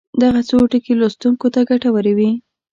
دغه څو ټکي لوستونکو ته ګټورې وي.